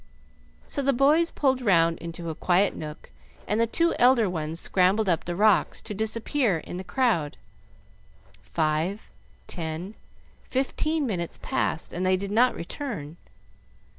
So the boys pulled round into a quiet nook, and the two elder ones scrambled up the rocks, to disappear in the crowd. Five, ten, fifteen minutes passed, and they did not return.